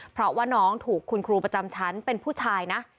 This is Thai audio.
เพราะว่าน้องถูกคุณครูประจำชั้นเป็นผู้ชายนะ